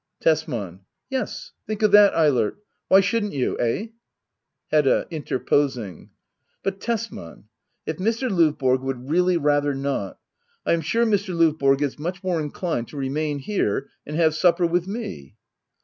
Tesman. Yes, think of that, Eilert, — why shouldn't you ? Eh? Hedda. [Interposing.] But, Tesman, if Mr. Lovbor^ would really rather not ! I am sure Mr. Lovborg is much more inclined to remain here and have supper with me.